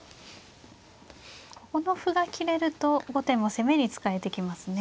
この歩が切れると後手も攻めに使えてきますね。